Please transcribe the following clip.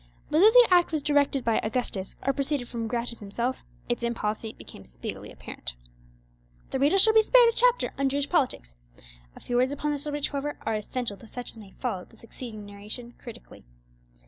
Whether the act was directed by Augustus, or proceeded from Gratus himself, its impolicy became speedily apparent. The reader shall be spared a chapter on Jewish politics; a few words upon the subject, however, are essential to such as may follow the succeeding narration critically.